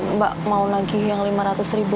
mbak mau nagih yang lima ratus ribu